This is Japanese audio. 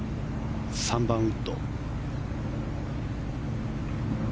３番ウッド。